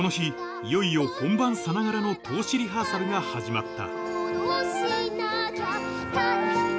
いよいよ本番さながらの通しリハーサルが始まった